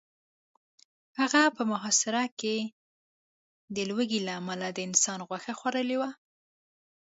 هغه په محاصره کې د لوږې له امله د انسان غوښه خوړلې وه